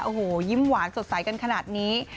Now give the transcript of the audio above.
โอ้โหยิ้มหวานสดใสกันขนาดนี้